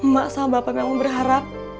mak sama bapak gak mau berharap